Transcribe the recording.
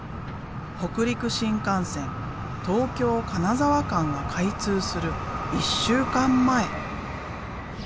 北陸新幹線東京金沢間が開通する１週間前。